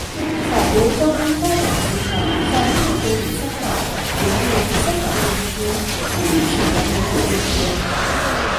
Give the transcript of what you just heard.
法国交通发展集团在中国与香港营运香港电车与沈阳有轨电车。